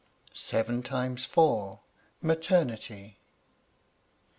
SEVEN TIMES FOUR. MATERNITY.